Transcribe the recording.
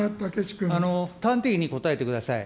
端的に答えてください。